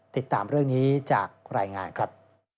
ติดตามเรื่องนี้จากรายงานครับ